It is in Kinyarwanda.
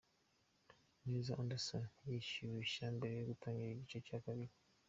Neza Anderson yishyushya mbere yo gutangira igice cya kabiri .